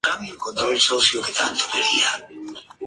Esta práctica aún existe en las órdenes sufíes de todo el mundo.